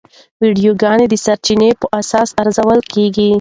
ویډیوګانې د سرچینې په اساس ارزول کېږي.